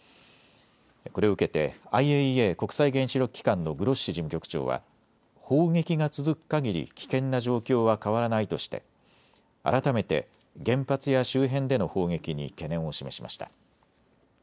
これを受けてＩＡＥＡ・国際原子力機関のグロッシ事務局長は砲撃が続くかぎり危険な状況は変わらないとして改めて原発や周辺での砲撃に懸念を示しました。